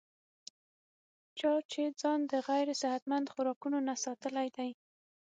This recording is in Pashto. چا چې ځان د غېر صحتمند خوراکونو نه ساتلے دے